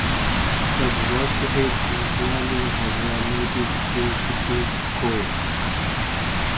The black-headed lapwing has a metallic "tink-tink" call.